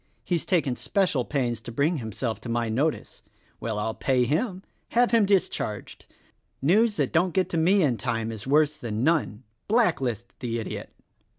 He's taken spe cial pains to bring himself to my notice. Well, I'll pay him : Have him discharged ! News that don't get to me in tune is worse than none. Blacklist the idiot."